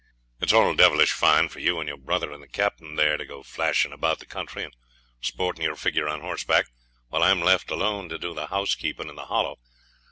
'It's all devilish fine for you and your brother and the Captain there to go flashin' about the country and sporting your figure on horseback, while I'm left alone to do the housekeepin' in the Hollow.